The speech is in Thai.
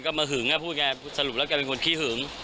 ก็มาหึงพูดแกสรุปแล้วแกเป็นคนขี้หึง